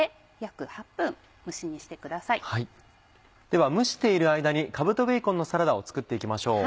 では蒸している間にかぶとベーコンのサラダを作って行きましょう。